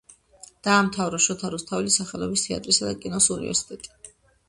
დაამთავრა შოთა რუსთაველის სახელობის თეატრისა და კინოს უნივერსიტეტი.